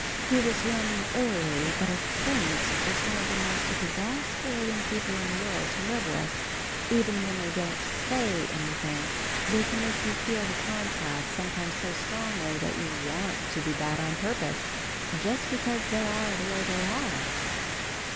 He was learning early that a saint is one of the most exasperating people in the world to live with. Even when they don't say anything, they can make you feel the contrast sometimes so strongly that you want to be bad on purpose, just because they are the way they are.